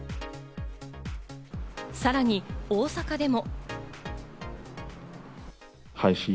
さらに大阪でも。